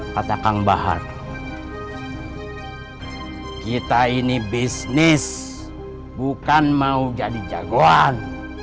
kata kang bahar kita ini bisnis bukan mau jadi jagoan